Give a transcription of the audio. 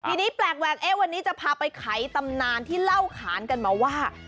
ทีนี้แปลกแวกเอ๊ะวันนี้จะพาไปไขตำนานที่เล่าขานกันมาว่า